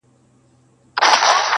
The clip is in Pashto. نه دي زما مستي په یاد نه دي یادېږم٫